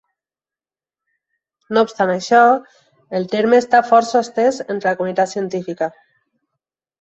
No obstant això, el terme està força estès entre la comunitat científica.